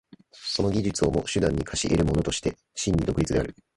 その技術をも手段に化し得るものとして真に独立である。